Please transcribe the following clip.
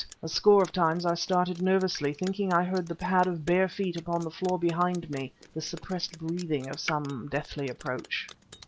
A score of times I started nervously, thinking I heard the pad of bare feet upon the floor behind me, the suppressed breathing of some deathly approach.